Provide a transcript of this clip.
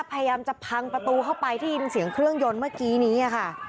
พยายามจะพังประตูเข้าไปที่ยินเสียงเครื่องยนต์เมื่อกี้นี้ค่ะ